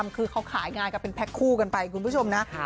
คือเขาขายงานกันเป็นแพ็คคู่กันไปคุณผู้ชมนะ